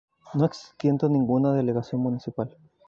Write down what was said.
No existiendo ninguna delegación municipal.